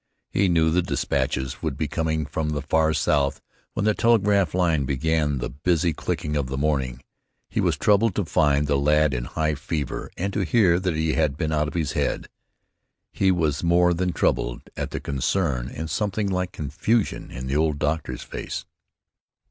He knew what despatches would be coming from the far South when the telegraph line began the busy clicking of the morning. He was troubled to find the lad in high fever and to hear that he had been out of his head. He was more than troubled at the concern, and something like confusion, in the old doctor's face.